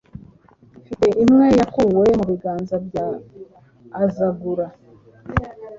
Mite imwe yakuwe mu biganza bya Azagura